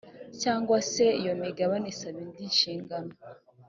cyangwa se iyo imigabane isaba indi nshingano